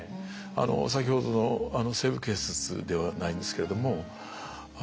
先ほどの「西部警察」ではないんですけれども